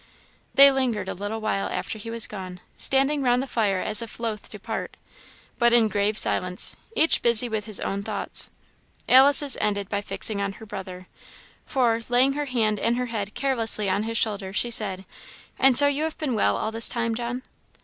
They lingered a little while after he was gone, standing round the fire as if loth to part, but in grave silence, each busy with his own thoughts. Alice's ended by fixing on her brother, for, laying her hand and her head carelessly on his shoulder, she said, "And so you have been well all this time, John?"